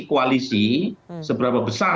koalisi seberapa besar